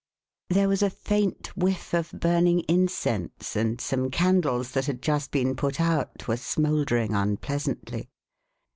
There was a faint whiff of burning incense, and some candles that had just been put out were smouldering unpleasantly.